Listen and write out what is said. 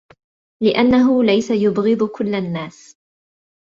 لِأَنَّهُ لَيْسَ يُبْغِضُ كُلَّ النَّاسِ